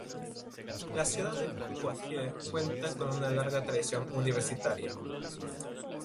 La ciudad de Poitiers cuenta con una larga tradición universitaria.